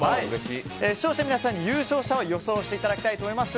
視聴者の皆さんに優勝者を予想していただきたいと思います。